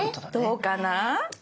どうかな？